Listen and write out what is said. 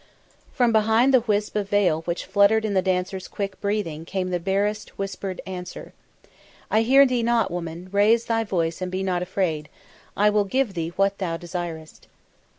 From behind the wisp of veil which fluttered in the dancer's quick breathing came the barely whispered answer. "I hear thee not, woman; raise thy voice and be not afraid. I will give thee what thou desirest."